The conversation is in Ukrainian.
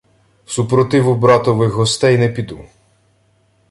— Супротиву братових гостей не піду.